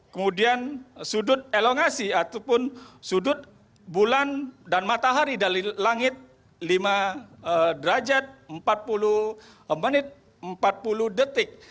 kemudian sudut elongasi ataupun sudut bulan dan matahari dari langit lima derajat empat puluh menit empat puluh detik